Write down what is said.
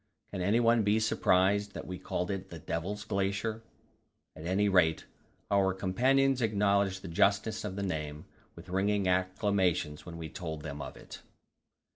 Can anyone be surprised that we called it the Devil's Glacier? At any rate, our companions acknowledged the justness of the name with ringing acclamations when we told them of it.